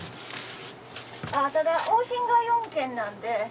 あただ往診が４軒なんで。